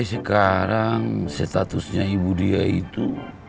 sekarang statusnya ibu dia itu